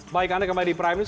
baik anda kembali di prime news